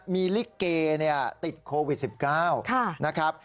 มีลิเกติดโควิด๑๙นะครับ